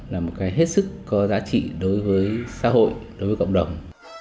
là một cái hết sức có giá trị đối với xã hội đối với cộng đồng